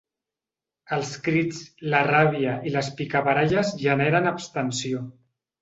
Els crits, la ràbia i les picabaralles generen abstenció.